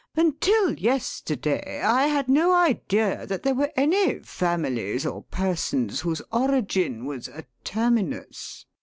Until yesterday I had no idea that there were any families or persons whose origin was a Terminus.